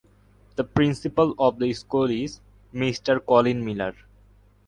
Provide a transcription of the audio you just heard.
The principal of the school is Mister Colin Millar.